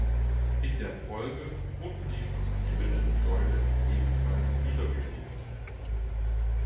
In der Folge wurden die verbliebenen Säulen ebenfalls niedergelegt.